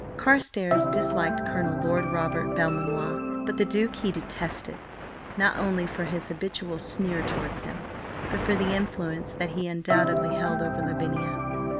Carstares disliked Colonel Lord Robert Belmanoir, but the Duke he detested, not only for his habitual sneer towards him, but for the influence that he undoubtedly held over Lavinia.